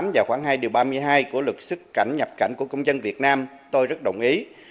và khoảng hai điều ba mươi hai của luật sức cảnh nhập cảnh của công dân việt nam tôi rất đồng ý